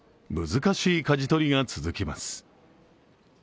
難しいかじ取りが続きます。